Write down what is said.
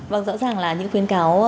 vâng rõ ràng là những khuyến cáo